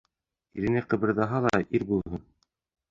Ирене ҡыбырҙаһа ла ир булһын.